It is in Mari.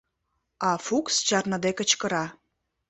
А Фукс чарныде кычкыра: